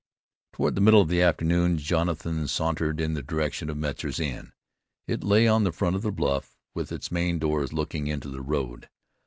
Toward the middle of the afternoon Jonathan sauntered in the direction of Metzar's inn. It lay on the front of the bluff, with its main doors looking into the road.